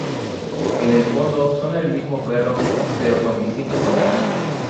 En el fondo son el mismo perro pero con distinto collar